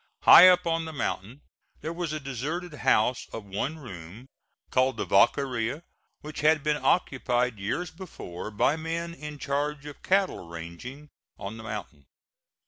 High up on the mountain there was a deserted house of one room, called the Vaqueria, which had been occupied years before by men in charge of cattle ranging on the mountain.